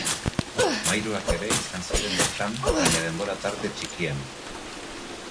Mairuak ere izan ziren bertan baina denbora tarte txikien.